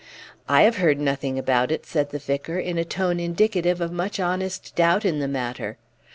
"I have heard nothing about it," said the vicar, in a tone indicative of much honest doubt in the matter.